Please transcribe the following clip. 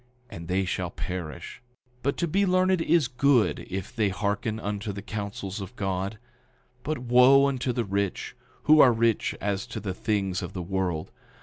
And they shall perish. 9:29 But to be learned is good if they hearken unto the counsels of God. 9:30 But wo unto the rich, who are rich as to the things of the world.